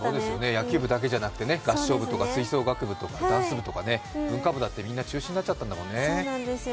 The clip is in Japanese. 野球部だけじゃなくてね、合唱部、吹奏楽部とかダンス部とか、文化部だっでみんな中止になっちゃったからね。